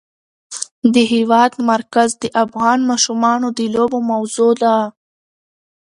د هېواد مرکز د افغان ماشومانو د لوبو موضوع ده.